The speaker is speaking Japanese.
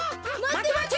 まてまて！